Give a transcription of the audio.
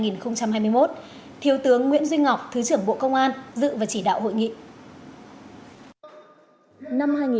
năm hai nghìn hai mươi một thiếu tướng nguyễn duy ngọc thứ trưởng bộ công an dự và chỉ đạo hội nghị